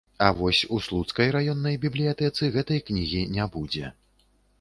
А вось у слуцкай раённай бібліятэцы гэтай кнігі не будзе.